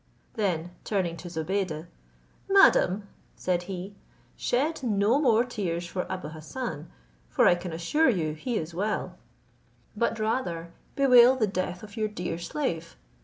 Then turning to Zobeide, "Madam," said he, "shed no more tears for Abou Hassan, for I can assure you he is well; but rather bewail the death of your dear slave.